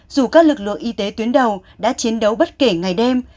dù các lực lượng y tế tuyến đầu đã chiến đấu bất kể ngày đêm